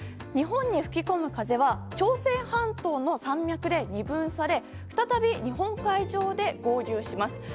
日本に吹き込む風は朝鮮半島の山脈で二分され再び日本海上で合流します。